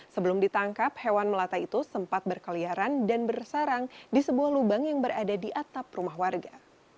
sebelum ditangkap hewan melata itu sempat berkeliaran dan bersarang di sebuah lubang yang berada di atap rumah warga